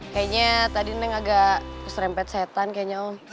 kayaknya tadi neng agak serempet setan kayaknya om